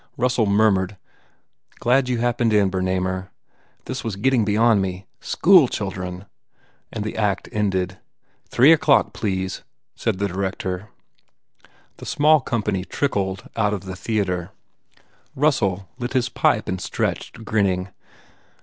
Russell murmured, "Glad you happened in, Bernamer. This was getting beyond me. School children," and the act ended. "Three o clock, please," said the director. The small company trickled out of the theatre. Russell lit his pipe and stretched, grinning.